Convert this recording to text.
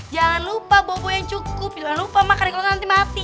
jangan lupa bobo yang cukup jangan lupa makan kalau nanti mati